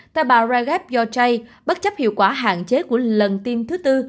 tại bà jaref yorjai bất chấp hiệu quả hạn chế của lần tiêm thứ bốn